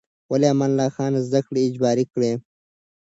ولې امان الله خان زده کړې اجباري کړې؟